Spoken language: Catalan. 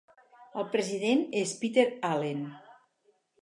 El president és Peter Allen.